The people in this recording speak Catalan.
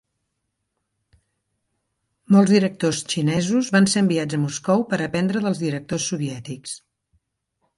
Molts directors xinesos van ser enviats a Moscou, per aprendre dels directors soviètics.